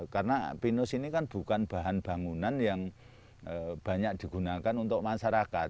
karena pinus ini kan bukan bahan bangunan yang banyak digunakan untuk masyarakat